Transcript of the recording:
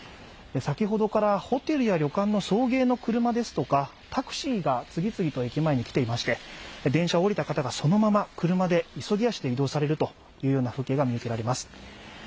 先ほどからホテルや旅館の送迎の車両ですとか次々と駅前に来ていまして、電車を降りた方がそのまま車で急ぎ足で移動される風景が見受けられます。